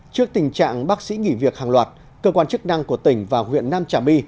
trước tình trạng bác sĩ nghỉ việc hàng loạt cơ quan chức năng của tỉnh và huyện nam trà my